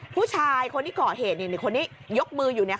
ผู้ชายคนที่ก่อเหตุนี่คนนี้ยกมืออยู่